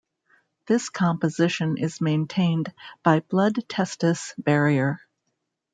This composition is maintained by blood-testis barrier.